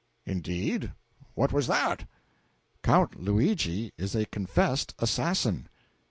"Indeed? What was that?" "Count Luigi is a confessed assassin."